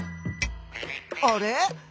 あれ？